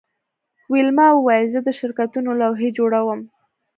ویلما وویل زه د شرکتونو لوحې جوړوم